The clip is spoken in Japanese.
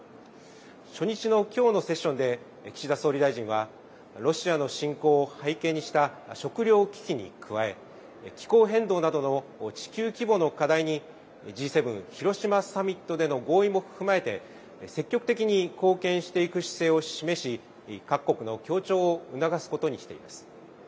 初日のきょうのセッションで岸田総理大臣はロシアの侵攻を背景にした食料危機に加え気候変動などの地球規模の課題にＧ７広島サミットでの合意も踏まえて積極的に貢献していく姿勢を示し各国の協調を促すことにしています。